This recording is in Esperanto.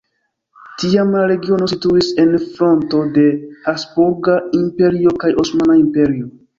Tiam la regiono situis en fronto de Habsburga Imperio kaj Osmana Imperio.